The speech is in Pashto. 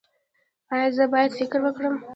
ایا زه باید فکر وکړم؟